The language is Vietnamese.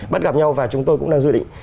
bắt gặp nhau và chúng tôi cũng đang dự định